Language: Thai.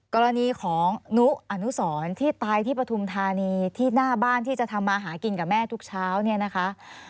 กรณีของนุอนุสรที่ตายที่ปฐุมธานีที่หน้าบ้านที่จะทำมาหากินกับแม่ทุกเช้าเนี่ยนะคะ